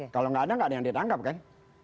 kalau nggak ada nggak ada yang ditangkap kan